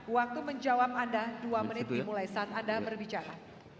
waktu menjawab anda dua menit dimulai saat anda berbicara